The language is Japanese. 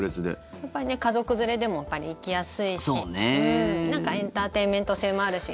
やっぱり家族連れでも行きやすいしなんかエンターテイメント性もあるし。